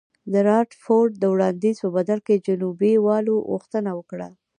د رادرفورډ د وړاندیز په بدل کې جنوبي والو غوښتنه وکړه.